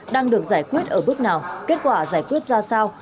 đang được giải quyết ở bước nào kết quả giải quyết ra sao